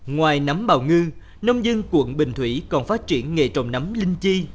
ngoài nắm bào ngư nông dân quận bình thủy còn phát triển nghề trồng nấm linh chi